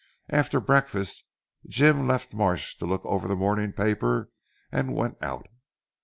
After breakfast Jim left Marsh to look over the morning paper, and went out.